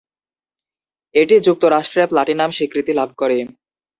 এটি যুক্তরাষ্ট্রে প্লাটিনাম স্বীকৃতি লাভ করে।